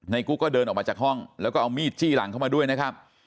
กุ๊กก็เดินออกมาจากห้องแล้วก็เอามีดจี้หลังเข้ามาด้วยนะครับ